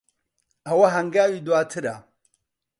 ئەوە ھەنگاوی دواترە.